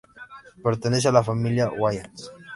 Pertenece a la Familia Wayans.